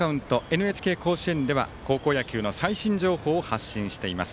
ＮＨＫ甲子園では高校野球の最新情報を発信しています。